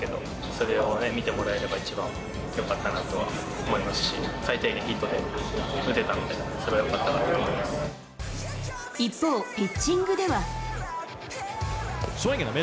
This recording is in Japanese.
それを見てもらえれば一番よかったなとは思いますし、最低限、ヒットで打てたので、それはよか一方、ピッチングでは。